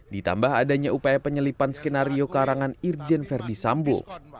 ditambah adanya upaya penyelipan skenario karangan irjen verdi sambo